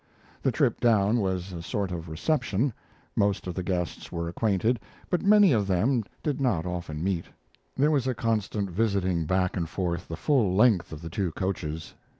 The trip down was a sort of reception. Most of the guests were acquainted, but many of them did not often meet. There was constant visiting back and forth the full length of the two coaches.